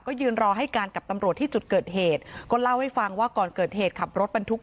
ก็ยืนรอให้การกับตำรวจที่จุดเกิดเหตุก็เล่าให้ฟังว่าก่อนเกิดเหตุขับรถบรรทุก